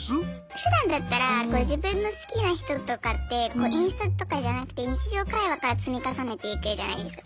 ふだんだったら自分の好きな人とかってインスタとかじゃなくて日常会話から積み重ねていくじゃないですか。